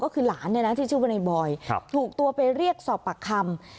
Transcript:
ก็คือหลานในหนังที่ชื่อวันนายบอยถูกตัวไปเรียกสอบปากคำ